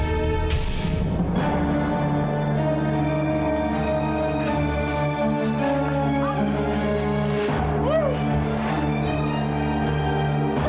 ya allah aku dimana sekarang